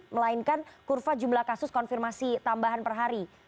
melainkan kurva jumlah kasus konfirmasi tambahan per hari